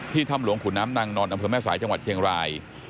ถ้ำหลวงขุนน้ำนางนอนอำเภอแม่สายจังหวัดเชียงราย